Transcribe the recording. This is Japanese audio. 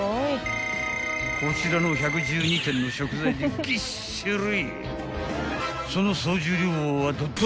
［こちらの１１２点の食材でぎっしり］